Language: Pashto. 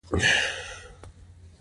جګړه د ځوان نسل ارمانونه وژني